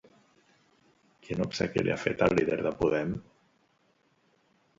Quin obsequi li ha fet al líder de Podem?